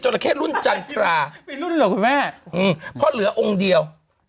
ราเข้รุ่นจันทรามีรุ่นเหรอคุณแม่เพราะเหลือองค์เดียว